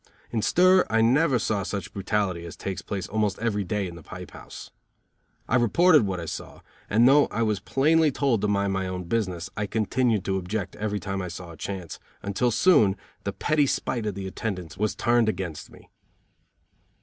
In stir I never saw such brutality as takes place almost every day in the pipe house. I reported what I saw, and though I was plainly told to mind my own business, I continued to object every time I saw a chance, until soon the petty spite of the attendants was turned against me.